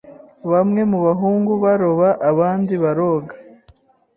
Bamwe mu bahungu baroba abandi baroga.